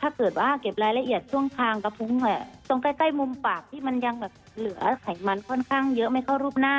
ถ้าเกิดว่าเก็บรายละเอียดช่วงคางกระพุ้งตรงใกล้มุมปากที่มันยังแบบเหลือไขมันค่อนข้างเยอะไม่เข้ารูปหน้า